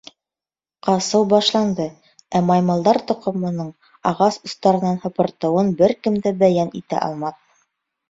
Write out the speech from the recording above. Ҡасыу башланды, ә Маймылдар Тоҡомоноң ағас остарынан һыпыртыуын бер кем дә бәйән итә алмаҫ.